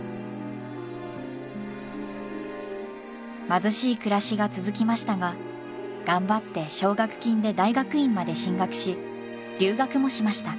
貧しい暮らしが続きましたが頑張って奨学金で大学院まで進学し留学もしました。